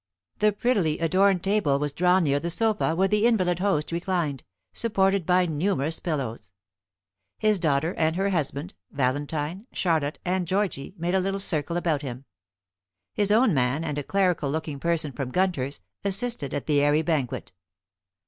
The prettily adorned table was drawn near the sofa where the invalid host reclined, supported by numerous pillows. His daughter and her husband, Valentine, Charlotte, and Georgy, made a little circle about him. His own man, and a clerical looking person from Gunter's, assisted at the airy banquet.